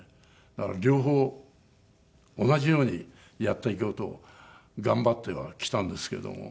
だから両方同じようにやっていこうと頑張ってはきたんですけども。